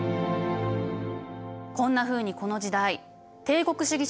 こんなふうにこの時代帝国主義